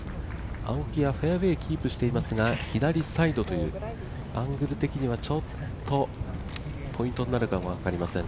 青木はフェアウエーキープしていますが、アングル的にはちょっとポイントになるかも分かりません